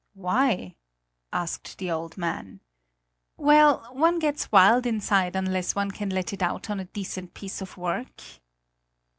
"Why?" asked the old man. "Well, one gets wild inside unless one can let it out on a decent piece of work!"